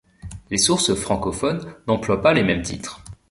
Les sources francophones n'emploient pas les mêmes titres.